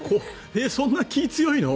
そんな気が強いの？